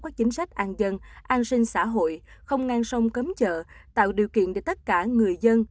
các chính sách an dân an sinh xã hội không ngang sông cấm chợ tạo điều kiện để tất cả người dân